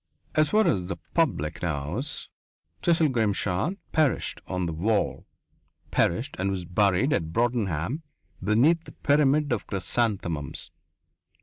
As far as the public knows, Cecil Grimshaw perished on the "wall" perished and was buried at Broadenham beneath a pyramid of chrysanthemums.